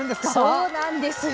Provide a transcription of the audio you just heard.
そうなんですよ。